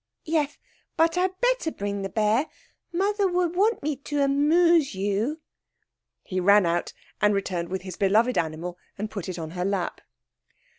'Yes; but I'd better bring the bear. Mother would want me to amuse you.' He ran out and returned with his beloved animal, and put it on her lap.